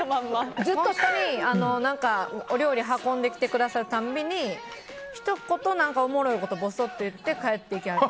ずっと、お料理を運んできてくださるたびにひと言、おもろいことぼそって言って帰っていきはる。